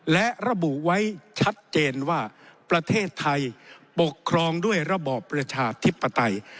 และระบุไว้ชัดเจนว่าประเทศไทยปกครองด้วยระบอบประชาธิปไตย